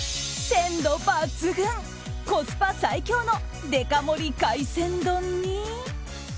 鮮度抜群、コスパ最強のデカ盛り海鮮丼に。